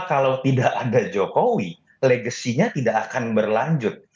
kalau tidak ada jokowi legasinya tidak akan berlanjut